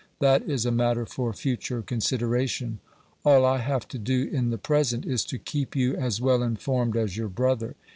That is a matter for future consideration. All I have to do in the present is to keep you as well informed as your brother.